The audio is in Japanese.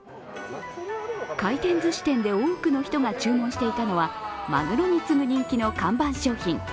回転ずし店で多くの人が注文していたのは、まぐろに次ぐ人気の看板商品